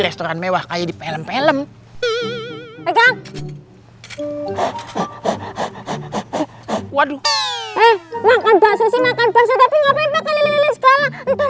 restoran mewah kayak di film film